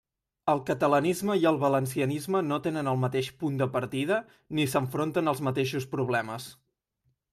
El catalanisme i el valencianisme no tenen el mateix punt de partida ni s'enfronten als mateixos problemes.